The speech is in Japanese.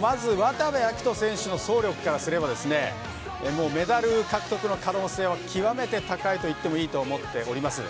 まず、渡部暁斗選手の走力からすればメダル獲得の可能性は極めて高いと言っていいと思っております。